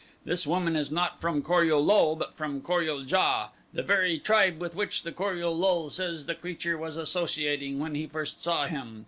This woman is not from Kor ul lul but from Kor ul JA, the very tribe with which the Kor ul lul says the creature was associating when he first saw him.